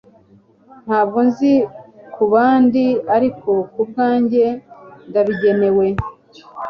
Ntabwo nzi kubandi ariko kubwanjye ndabigenewe